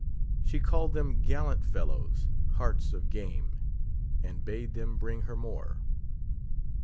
She called them gallant fellows, hearts of game; and bade them bring her more.